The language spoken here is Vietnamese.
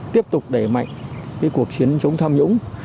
tiếp tục đẩy mạnh cái cuộc chiến chống tham nhũng